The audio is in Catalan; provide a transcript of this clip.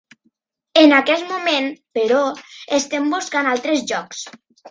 En aquest moment, però, estem buscant altres jocs.